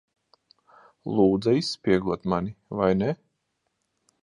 Lūdza izspiegot mani, vai ne?